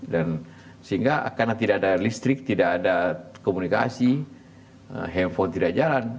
dan sehingga karena tidak ada listrik tidak ada komunikasi handphone tidak jalan